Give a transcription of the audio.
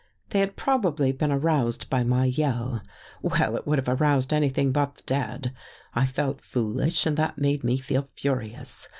They had probably been aroused by my yell. Well, it would have aroused anything but the dead. I felt foolish and that made me feel furious.